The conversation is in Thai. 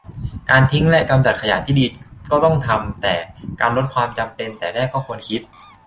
การทิ้งและกำจัดขยะที่ดีก็ต้องทำ แต่การลดความจำเป็นแต่แรกก็ควรคิด